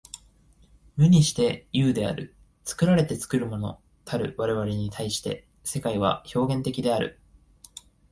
無にして有である。作られて作るものたる我々に対して、世界は表現的である。